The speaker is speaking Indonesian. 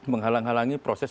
menghalang halangi proses